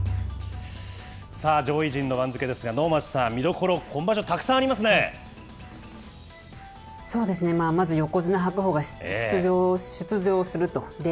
さあ、上位陣の番付ですが、能町さん、見どころ、今場所たくさんそうですね、まず横綱・白鵬が出場すると。